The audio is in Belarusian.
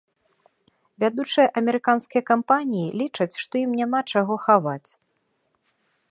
Вядучыя амерыканскія кампаніі лічаць, што ім няма чаго хаваць.